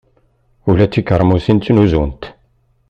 Ula d tikermusin ttnuzunt!